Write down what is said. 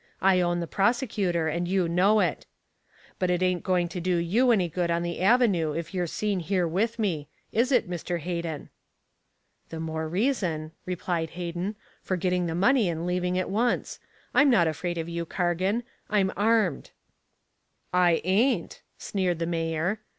I own the prosecutor, and you know it. But it ain't going to do you any good on the avenue if you're seen here with me. Is it, Mr. Hayden?" "The more reason," replied Hayden, "for getting the money and leaving at once. I'm not afraid of you, Cargan. I'm armed." "I ain't," sneered the mayor.